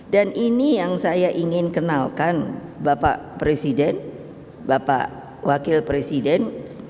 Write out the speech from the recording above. dan ini yang ingin saya kenalkan bapak presiden bapak wakil presiden